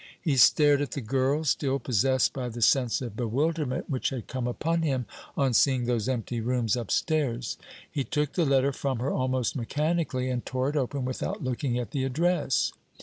He stared at the girl, still possessed by the sense of bewilderment which had come upon him on seeing those empty rooms upstairs. He took the letter from her almost mechanically, and tore it open without looking at the address.